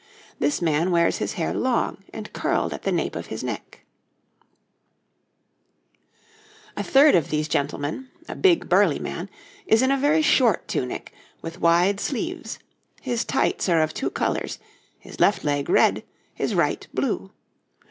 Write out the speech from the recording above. This man wears his hair long and curled at the nape of his neck. [Illustration: {A man of the time of Henry IV.}] A third of these gentlemen, a big burly man, is in a very short tunic with wide sleeves; his tights are of two colours, his left leg red, his right blue.